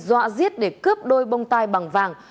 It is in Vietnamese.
dọa giết để cướp đôi bông tai bằng vàng